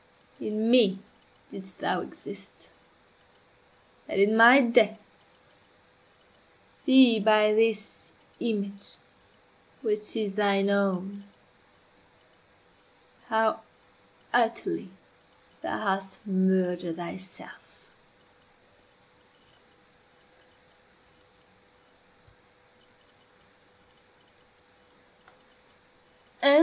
In me didst thou exist and, in my death, see by this image, which is thine own, how utterly thou hast murdered thyself."